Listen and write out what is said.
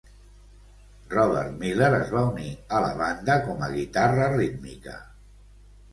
Robert Miller es va unir a la banda com a guitarra rítmica.